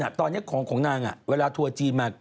ตอนนี้ของนางเวลาทัวร์จีนมา